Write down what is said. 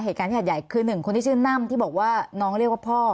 เหตุการณ์ที่หัดใหญ่คือหนึ่งคนที่ชื่อน่ำที่บอกว่าน้องเรียกว่าพ่อ